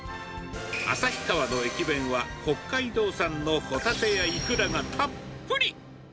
旭川の駅弁は、北海道産のホタテやイクラがたっぷり。